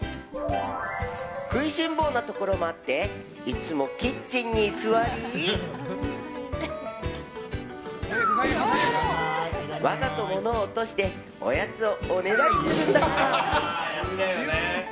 食いしん坊なところもあっていつもキッチンに居座りわざと物を落としておやつをおねだりするんだとか。